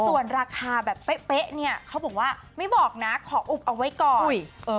ส่วนราคาแบบเป๊ะเนี่ยเขาบอกว่าไม่บอกนะขออุบเอาไว้ก่อน